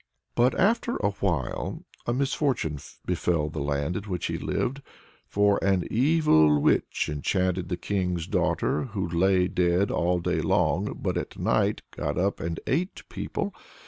But after a while a misfortune befell the land in which he lived, for "an evil witch enchanted the king's daughter, who lay dead all day long, but at night got up and ate people."